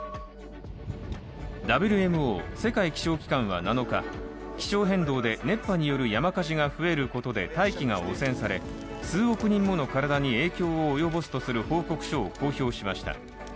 ＷＭＯ＝世界気象機関は、７日、気象変動で熱波による山火事が増えることで大気が汚染され数億人もの体に影響を及ぼすとする報告書を公表しました。